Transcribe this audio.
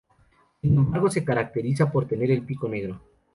Sin embargo, se caracteriza por tener el pico negro.